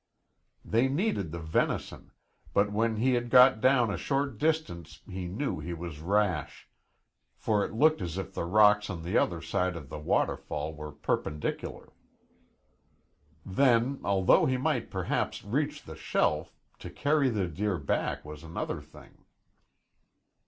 They needed the venison, but when he had got down a short distance he knew he was rash, for it looked as if the rocks on the other side of the waterfall were perpendicular. Then, although he might perhaps reach the shelf, to carry the deer back was another thing.